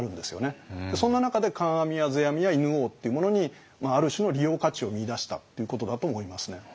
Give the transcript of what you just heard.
そんな中で観阿弥や世阿弥や犬王っていうものにある種の利用価値を見いだしたっていうことだと思いますね。